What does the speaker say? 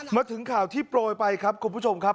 มาถึงข่าวที่โปรยไปครับคุณผู้ชมครับ